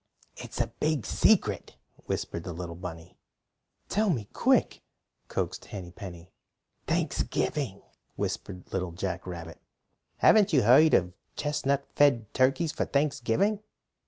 "It's a big secret," whispered the little bunny. "Tell me quick," coaxed Henny Penny. "Thanksgiving!" whispered Little Jack Rabbit. "Haven't you heard of chestnut fed turkeys for Thanksgiving?"